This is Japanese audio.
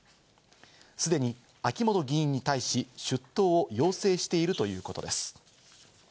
すでに秋本議員に対し、出頭を要請しているということです。